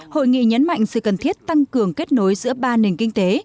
hội nghị nhấn mạnh sự cần thiết tăng cường kết nối giữa ba nền kinh tế